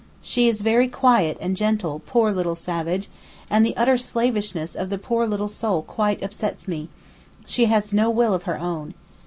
She is very quiet and gentle, poor little savage, and the utter slavishness of the poor little soul quite upsets me; she has no will of her own.